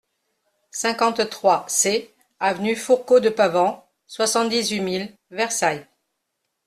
cinquante-trois C avenue Fourcault de Pavant, soixante-dix-huit mille Versailles